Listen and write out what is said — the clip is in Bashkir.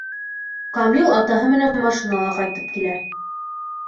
Камил атаһы менән машинала ҡайтып килә.